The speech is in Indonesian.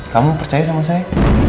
kamu percaya sama saya